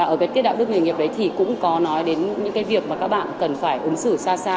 ở cái đạo đức nghề nghiệp đấy thì cũng có nói đến những cái việc mà các bạn cần phải ứng xử xa